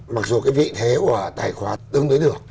mặc dù cái vị thế của tài khoản đứng tới được